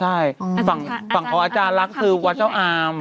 ใช่ฝั่งของอาจารย์ลักษณ์คือวัดเจ้าอาม